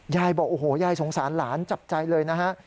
ยายบอกโอ้โหยายสงสารหลานจับใจเลยนะฮะ